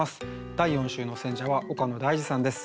第４週の選者は岡野大嗣さんです。